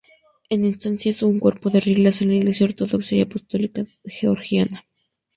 En instancia es un cuerpo de reglas en la Iglesia Ortodoxa y Apostólica Georgiana.